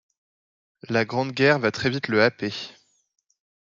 La grande guerre va très vite le happer.